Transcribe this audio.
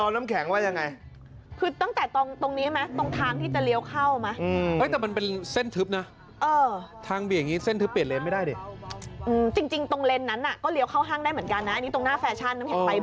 น้ำแข็งไปบ่อยก็คือแบบมันเข้าได้หลายเลน